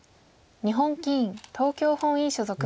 日本棋院東京本院所属。